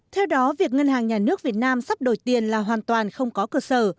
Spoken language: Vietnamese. theo đó việc ngân hàng nhà nước việt nam sắp đổi tiền là hoàn toàn không có cơ sở